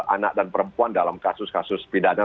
anak dan perempuan dalam kasus kasus pidana